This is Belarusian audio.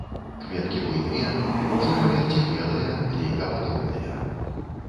Кветкі буйныя, ружовыя ці белыя, лейкападобныя.